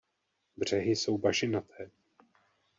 Břehy jsou bažinaté.